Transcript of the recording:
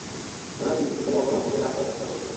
কেননা, তিনি শক্তিশালী অবলম্বনের আশ্রয় প্রার্থনা করেছিলেন।